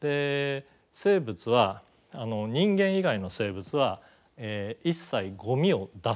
生物は人間以外の生物は一切ゴミを出さないんです。